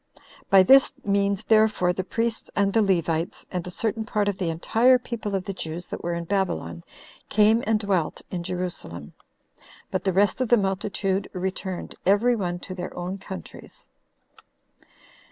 By this means therefore the priests and the Levites, and a certain part of the entire people of the Jews that were in Babylon, came and dwelt in Jerusalem; but the rest of the multitude returned every one to their own countries.